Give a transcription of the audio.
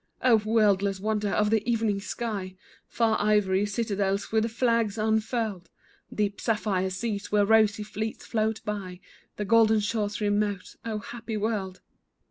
Oh, wordless wonder of the evening sky, Far ivory citadels with flags unfurled; Deep sapphire seas where rosy fleets float by The golden shores remote; oh, happy world!